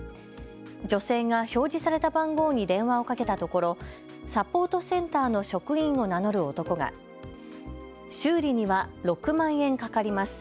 女性が表示された番号に電話をかけたところサポートセンターの職員を名乗る男が修理には６万円かかります。